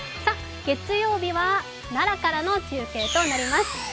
月曜日は奈良からの中継となります。